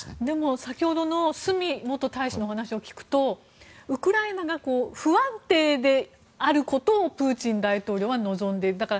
でも、先ほどの角元大使のお話を聞くとウクライナが不安定であることをプーチン大統領は望んでいる。